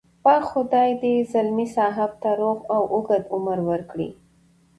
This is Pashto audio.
پاک خدای دې ځلمي صاحب ته روغ او اوږد عمر ورکړي.